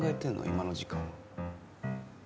今の時間は。